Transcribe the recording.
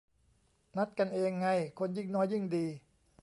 นัดกันเองไง คนยิ่งน้อยยิ่งดี